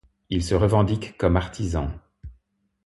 Ils se revendiquent comme artisans.